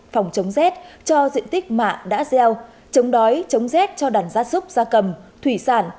phòng chống rét cho diện tích mạ đã gieo chống đói chống rét cho đàn gia súc gia cầm thủy sản